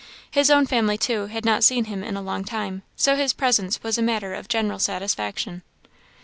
His own family, too, had not seen him in a long time, so his presence was matter of general satisfaction.